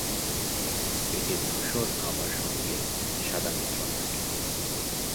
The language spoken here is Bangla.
পেটে ধূসর আভার সঙ্গে সাদা মিশ্রণ থাকে।